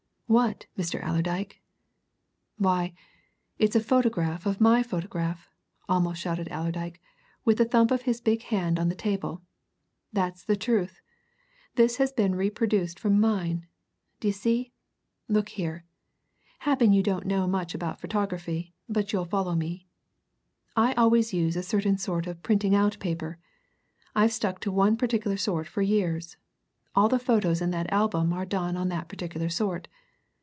"What, Mr. Allerdyke?" "Why, it's a photograph of my photograph!" almost shouted Allerdyke, with a thump of his big hand on the table. "That's the truth. This has been reproduced from mine, d'ye see? Look here happen you don't know much about photography, but you'll follow me I always use a certain sort of printing out paper; I've stuck to one particular sort for years all the photos in that album are done on that particular sort.